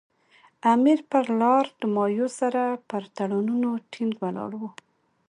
امیر پر لارډ مایو سره پر تړونونو ټینګ ولاړ وو.